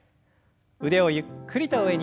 腕をゆっくりと上に。